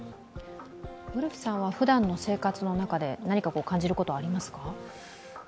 ウルフさんはふだんの生活の中で何か感じることはありますか？